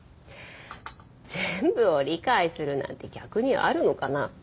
全部を理解するなんて逆にあるのかな？